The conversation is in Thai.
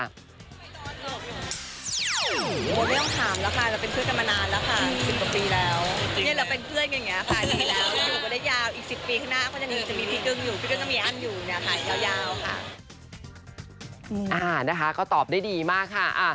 นะคะก็ตอบได้ดีมากค่ะ